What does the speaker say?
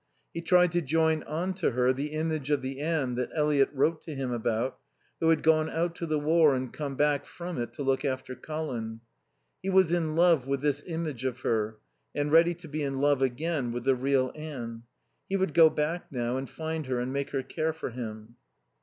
He tried to join on to her the image of the Anne that Eliot wrote to him about, who had gone out to the war and come back from it to look after Colin. He was in love with this image of her and ready to be in love again with the real Anne. He would go back now and find her and make her care for him.